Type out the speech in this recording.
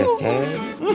sabar ya ceng